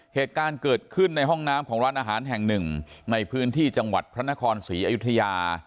เหตุการณ์เกิดขึ้นในห้องน้ำของร้านอาหารแห่งหนึ่งในพื้นที่จังหวัดพระนครศรีอยุธยา